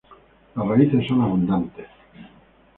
Las raíces son abundantes.